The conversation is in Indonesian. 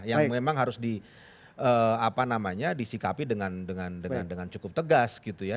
yang memang harus di apa namanya disikapi dengan cukup tegas gitu ya